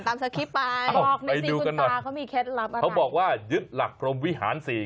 อ้าวไปดูกันหน่อยเขาบอกว่ายึดหลักพรมวิหารสี่